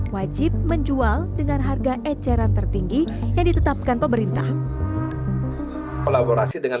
wajib menjual dengan harga eceran tertinggi yang ditetapkan pemerintah kolaborasi dengan